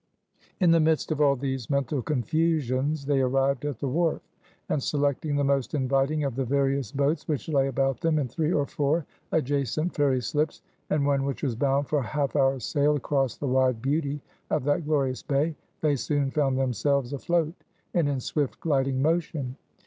In the midst of all these mental confusions they arrived at the wharf; and selecting the most inviting of the various boats which lay about them in three or four adjacent ferry slips, and one which was bound for a half hour's sail across the wide beauty of that glorious bay; they soon found themselves afloat and in swift gliding motion.